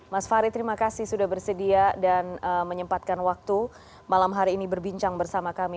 mas farid terima kasih sudah bersedia dan menyempatkan waktu malam hari ini berbincang bersama kami